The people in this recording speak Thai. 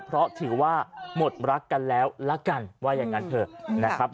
เพราะถือว่าหมดรักกันแล้วละกันว่าอย่างนั้นเถอะนะครับ